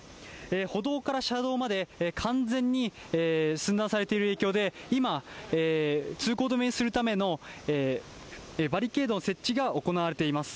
歩道から車道まで完全に寸断されている影響で、今、通行止めにするためのバリケードの設置が行われています。